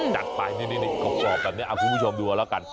จัดไปนี่กรอบแบบนี้คุณผู้ชมดูเอาแล้วกัน